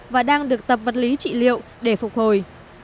và đang được tập vật lý trị liệu để phục hồi